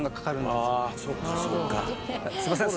すいません。